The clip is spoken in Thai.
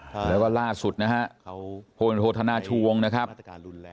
แล้วก็ล่าสุดนะฮะโภงการโทษทางช่วงนะครับ